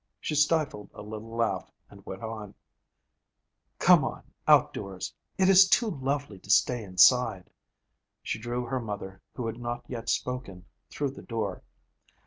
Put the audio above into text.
She stifled a little laugh and went on, 'Come on, outdoors. It is too lovely to stay inside.' She drew her mother, who had not yet spoken, through the door.